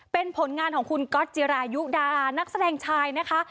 เป็นผลงานของคุณก๊อตจิรายุดานักแสดงชายนะคะ